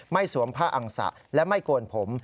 สวมผ้าอังสะและไม่โกนผม